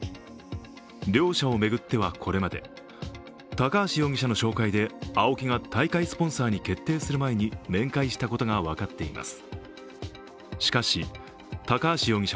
両者を巡ってはこれまで高橋容疑者の紹介でＡＯＫＩが大会スポンサーに決定する前に面会したことが分かっています。